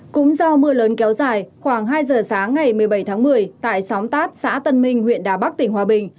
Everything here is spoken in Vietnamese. cũng do mưa lớn kéo dài khoảng hai giờ sáng ngày một mươi bảy tháng một mươi tại xóm tát xã tân minh huyện đà bắc tỉnh hòa bình